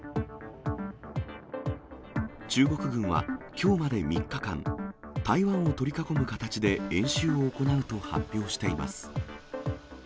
中国軍はきょうまで３日間、台湾を取り囲む形で演習を行うと発表しています。